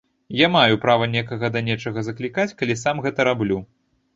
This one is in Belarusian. Я маю права некага да нечага заклікаць калі сам гэта раблю.